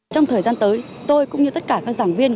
trong thời gian tới tôi cũng như tất cả các giảng viên